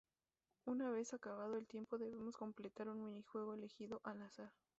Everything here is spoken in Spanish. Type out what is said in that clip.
Una vez acabado el tiempo debemos completar un minijuego elegido al azar.